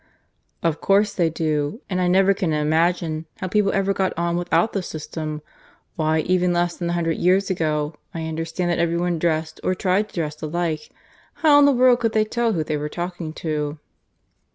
"Of course they do. And I never can imagine how people ever got on without the system. Why, even less than a hundred years ago, I understand that every one dressed, or tried to dress alike. How in the world could they tell who they were talking to?"